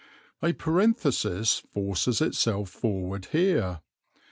A parenthesis forces itself forward here.